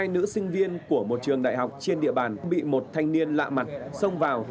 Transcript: hai nữ sinh viên của một trường đại học trên địa bàn bị một thanh niên lạ mặt xông vào